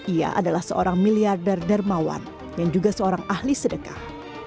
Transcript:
ia adalah seorang miliarder dermawan yang juga seorang ahli sedekah